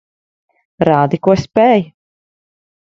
Rādi, ko spēj.